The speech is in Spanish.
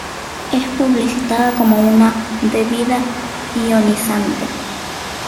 Es publicitada como una "bebida ionizante".